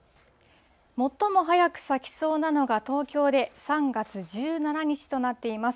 最も早く咲きそうなのが東京で３月１７日となっています。